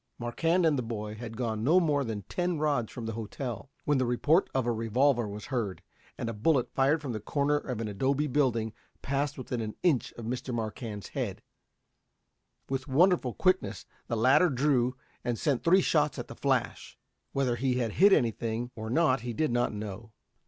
Marquand and the boy had gone no more than ten rods from the hotel, when the report of a revolver was heard, and a bullet fired from the corner of an adobe building passed within an inch of Mr. Marquand's head. With wonderful quickness the latter drew and sent three shots at the flash. Whether he had hit any thing or not he did not know.